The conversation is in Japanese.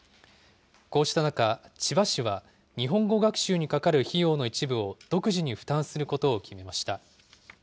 こうした中、千葉市は、日本語学習にかかる費用の一部を、独自に負担することを決めました。